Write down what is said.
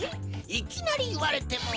いきなりいわれても。